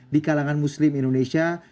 di kalangan muslim indonesia